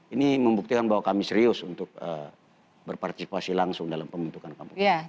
ini membuktikan bahwa kami serius untuk berpartisipasi langsung dalam pembentukan kampung